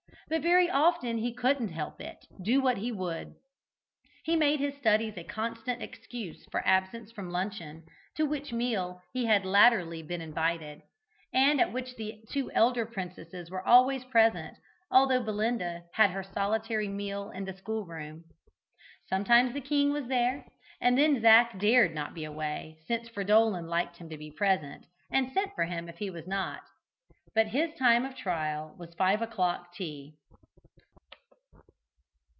But very often he couldn't help it, do what he would. He made his studies a constant excuse for absence from luncheon, to which meal he had latterly been invited, and at which the two elder princesses were always present, although Belinda had her solitary meal in the school room. Sometimes the king was there, and then Zac dared not be away, since Fridolin liked him to be present, and sent for him if he was not. But his time of trial was "Five o'clock Tea."